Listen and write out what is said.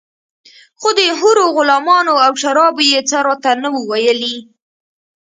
خو د حورو غلمانو او شرابو يې څه راته نه وو ويلي.